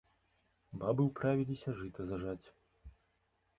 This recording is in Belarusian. Бабы ўправіліся жыта зажаць.